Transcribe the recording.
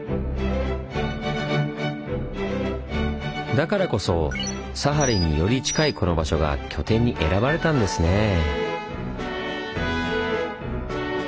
だからこそサハリンにより近いこの場所が拠点に選ばれたんですねぇ。